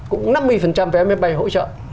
cũng năm mươi vé máy bay hỗ trợ